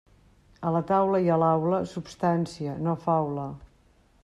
A la taula i a l'aula, substància, no faula.